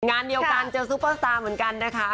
งานเดียวกันเจอซุปเปอร์สตาร์เหมือนกันนะคะ